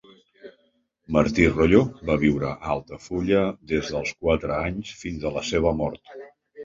Martí Royo va viure a Altafulla des dels quatre anys fins a la seva mort.